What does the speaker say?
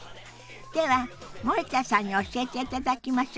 では森田さんに教えていただきましょ。